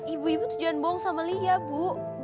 ibu ibu tuh jangan bohong sama lia bu